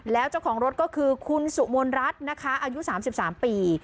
แล้วเจ้าของรถก็คือคุณสุมนรัฐนะคะอายุ๓๓ปี